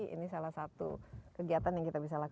ini salah satu kegiatan yang kita bisa lakukan